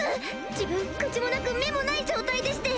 自分口もなく目もない状態でして。